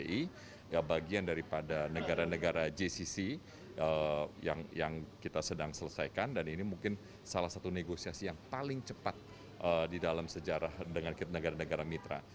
kita sudah melakukan perubahan dengan jcc yang kita sedang selesaikan dan ini mungkin salah satu negosiasi yang paling cepat di dalam sejarah dengan negara negara mitra